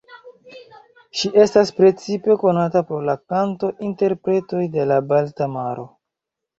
Ŝi estas precipe konata pro la kanto-interpretoj de la Balta Maro.